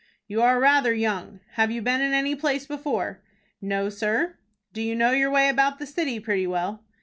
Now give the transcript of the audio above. "You are rather young. Have you been in any place before?" "No, sir." "Do you know your way about the city pretty well?"